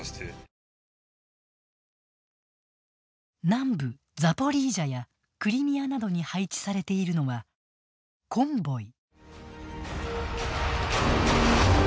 南部ザポリージャやクリミアなどに配置されているのは、コンボイ。